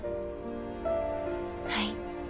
はい。